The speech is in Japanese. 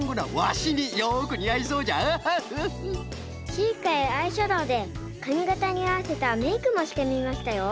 チークやアイシャドーでかみがたにあわせたメークもしてみましたよ。